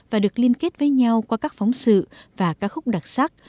và được liên kết với nhau qua các phóng sự và ca khúc đặc sắc